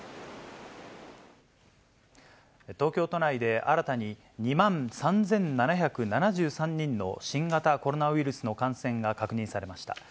東京都内で新たに２万３７７３人の新型コロナウイルスの感染が確認されました。